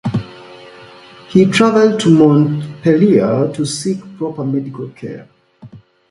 He traveled to Montpellier to seek proper medical care.